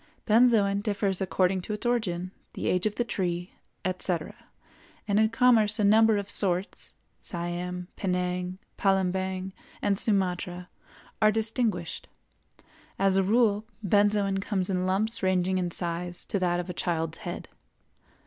Benzoin differs according to its origin, the age of the tree, etc., and in commerce a number of sorts (Siam, Penang, Palembang, and Sumatra) are distinguished. As a rule, benzoin comes in lumps ranging in size to that of a child's head.